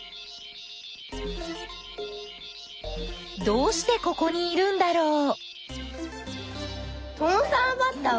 どうしてここにいるんだろう？